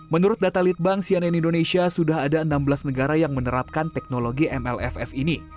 menurut data litbang cnn indonesia sudah ada enam belas negara yang menerapkan teknologi mlff ini